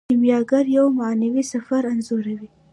کیمیاګر یو معنوي سفر انځوروي.